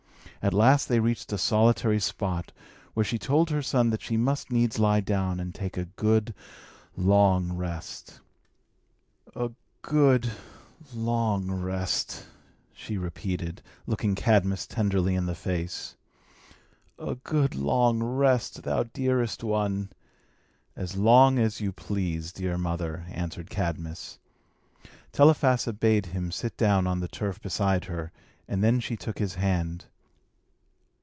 At last they reached a solitary spot, where she told her son that she must needs lie down, and take a good, long rest. "A good, long rest!" she repeated, looking Cadmus tenderly in the face "a good, long rest, thou dearest one!" "As long as you please, dear mother," answered Cadmus. Telephassa bade him sit down on the turf beside her, and then she took his hand.